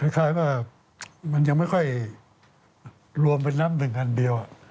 คล้ายว่ามันยังไม่ค่อยรวมเป็นน้ำหนึ่งอันเดียว